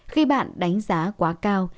khi bạn đánh giá quá cao